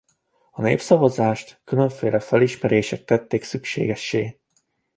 A népszavazást különféle felismerések tették szükségessé.